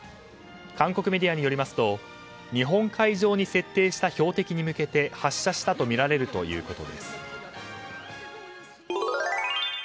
韓国メディアによりますと日本海上に設置した標的に向けて発射したとみられるということです。